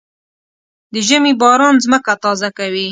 د ژمي باران ځمکه تازه کوي.